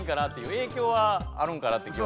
影響はあるんかなって気は。